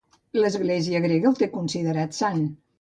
L'església grega el té considerat sant.